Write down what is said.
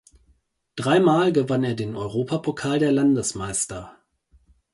Dreimal gewann er den Europapokal der Landesmeister.